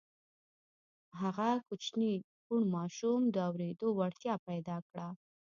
هغه کوچني کوڼ ماشوم د اورېدو وړتيا پيدا کړه.